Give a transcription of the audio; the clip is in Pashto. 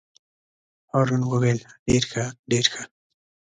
هارون وویل: ډېر ښه ډېر ښه.